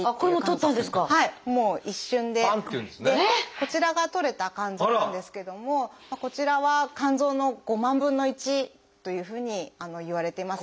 こちらが採れた肝臓なんですけどもこちらは肝臓の５万分の１というふうにいわれています。